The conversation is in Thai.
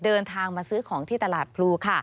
เดินทางมาซื้อของที่ตลาดพลูค่ะ